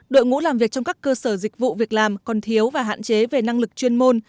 đội ngũ làm việc trong các cơ sở dịch vụ việc làm còn thiếu và hạn chế về năng lực chuyên môn